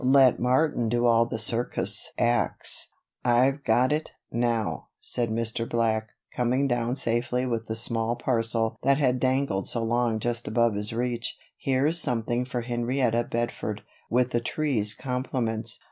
Let Martin do all the circus acts." "I've got it, now," said Mr. Black, coming down safely with the small parcel that had dangled so long just above his reach. "Here's something for Henrietta Bedford, with the tree's compliments."